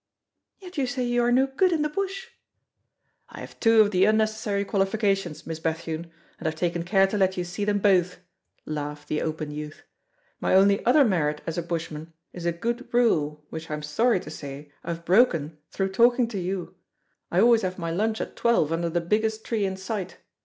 "Yet you say you are no good in the bush!" "I have two of the unnecessary qualifications, Miss Bethune, and I've taken care to let you see them both," laughed the open youth. "My only other merit as a bushman is a good rule which I am sorry to say I've broken through talking to you. I always have my lunch at twelve under the biggest tree in sight.